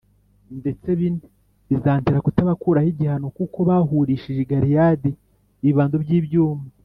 ndetse bine, bizantera kutabakuraho igihano kuko bahurishije i Galeyadi ibibando by’ibyuma.